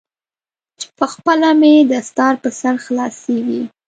چې پخپله مې دستار پر سر خلاصیږي.